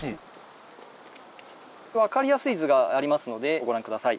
分かりやすい図がありますのでご覧下さい。